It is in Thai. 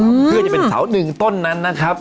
เพื่อจะเป็นเสาหนึ่งต้นนั้นนะครับ